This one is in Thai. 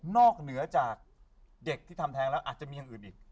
เหนือจากเด็กที่ทำแทงแล้วอาจจะมีอย่างอื่นอีก